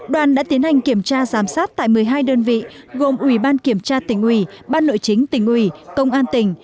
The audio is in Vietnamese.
đoàn đã tiến hành kiểm tra giám sát tại một mươi hai đơn vị gồm ủy ban kiểm tra tỉnh ủy ban nội chính tỉnh ủy công an tỉnh